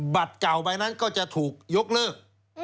บัตรเก่าใบนั้นก็จะถูกยกเลิก